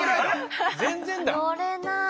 乗れない。